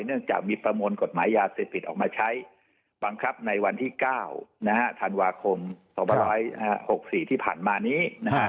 เนื่องจากมีประมวลกฎหมายยาเสพติดออกมาใช้บังคับในวันที่๙ธันวาคม๒๖๔ที่ผ่านมานี้